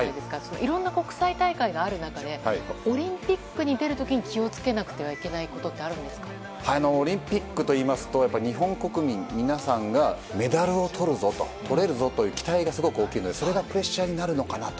いろんな国際大会がある中でオリンピックに出るときに気を付けなくてはオリンピックといいますと日本国民皆さんがメダルをとれるぞという期待が大きいのでそれがプレッシャーになるのかなと。